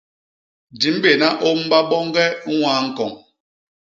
Di mbéna ôm baboñge ññwaa ñkoñ.